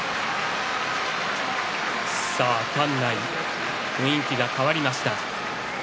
館内、雰囲気が変わりました。